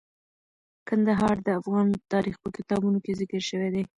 کندهار د افغان تاریخ په کتابونو کې ذکر شوی دی.